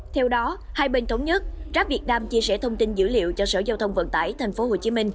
theo đó hai bên thống nhất grab việt nam chia sẻ thông tin dữ liệu cho sở giao thông vận tải tp hcm